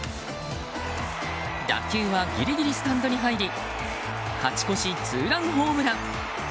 打球は、ギリギリスタンドに入り勝ち越しツーランホームラン！